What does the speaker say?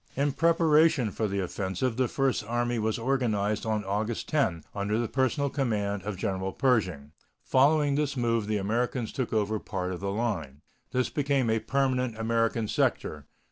In preparation for the offensive the First Army was organized on August 10, under the personal command of General Pershing. Following this move the Americans took over part of the line. This became a permanent American sector.